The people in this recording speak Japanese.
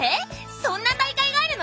そんな大会があるの？